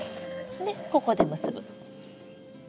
でここで結ぶ。